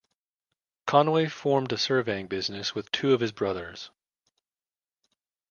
Conway formed a surveying business with two of his brothers.